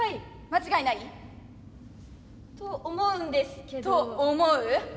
間違いない？と思うんですけど。と思う？